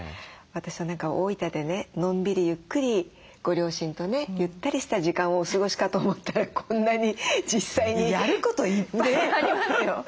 私は何か大分でねのんびりゆっくりご両親とねゆったりした時間をお過ごしかと思ったらこんなに実際に。やることいっぱいありますよ